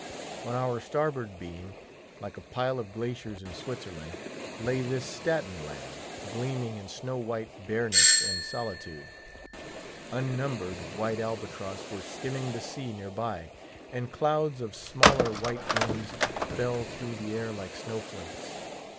On our starboard beam, like a pile of glaciers in Switzerland, lay this Staten Land, gleaming in snow white barrenness and solitude. Unnumbered white albatross were skimming the sea near by, and clouds of smaller white wings fell through the air like snow flakes.